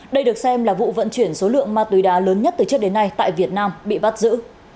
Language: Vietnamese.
đây được xem là vụ vận chuyển số lượng ma túy đá lớn nhất từ trước đến nay tại việt nam bị bắt giữ